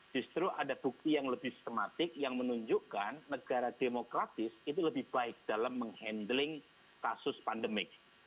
justru ada bukti yang lebih sistematik yang menunjukkan negara demokratis itu lebih baik dalam menghandleng kasus pandemik